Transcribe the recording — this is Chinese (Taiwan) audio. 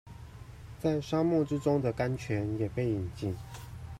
在沙漠之中的甘泉也被飲盡